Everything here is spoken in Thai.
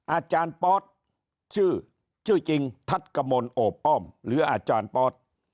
อาจารย์ปอสชื่อชื่อจริงทัศน์กมลโอบอ้อมหรืออาจารย์ปอส